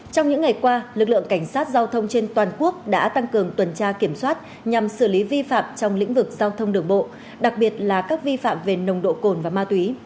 trong những ngày qua lực lượng cảnh sát giao thông trên toàn quốc đã tăng cường tuần tra kiểm soát nhằm xử lý vi phạm trong lĩnh vực giao thông đường bộ đặc biệt là các vi phạm về nồng độ cồn và ma túy